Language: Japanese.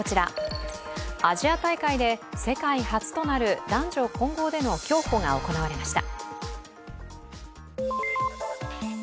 アジア大会で世界初となる男女混合での競歩が行われました。